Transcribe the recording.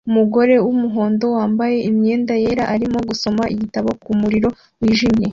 Umugore wumuhondo wambaye imyenda yera arimo gusoma igitabo kumuriri wijimye